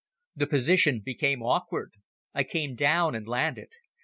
The position became awkward. I came down and landed.